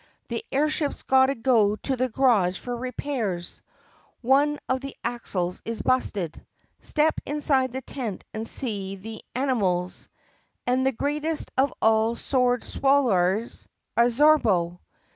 The air ship's gotta go to the garage for repairs ! One THE PUSSYCAT PRINCESS 47 of the axles is busted! Step inside the tent and see the an i muls! And the greatest of all sword swallerers, Absorbo!"